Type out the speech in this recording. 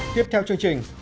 tiếp theo chương trình